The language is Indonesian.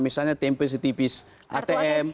misalnya tempe setipis atm